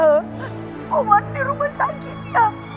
roman di rumah sakitnya